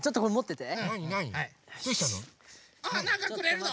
あなんかくれるの？